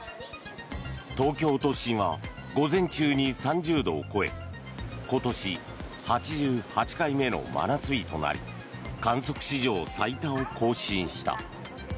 東京都心は午前中に３０度を超え今年８８回目の真夏日となり観測史上最多を更新した。